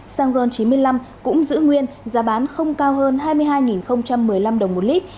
xăng ron chín mươi năm cũng giữ nguyên giá bán không cao hơn hai mươi hai một mươi năm đồng một lít